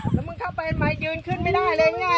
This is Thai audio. แล้วมึงเข้าไปใหม่ยืนขึ้นไม่ได้เลยยังไง